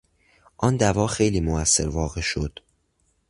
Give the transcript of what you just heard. آن دوا خیلی مؤثر واقع شد